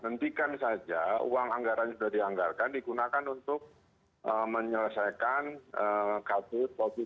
nantikan saja uang anggaran sudah dianggarkan di gunakan untuk menyelesaikan covid sembilan belas